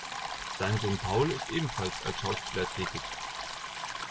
Sein Sohn Paul ist ebenfalls als Schauspieler tätig.